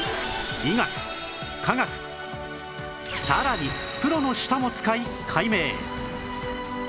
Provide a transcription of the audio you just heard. さらにプロの舌も使い解明